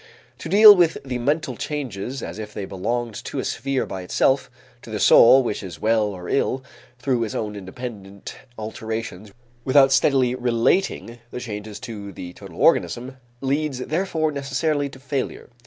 To deal with the mental changes as if they belonged to a sphere by itself, to the soul which is well or ill through its own independent alterations without steadily relating the changes to the total organism, leads therefore necessarily to failure.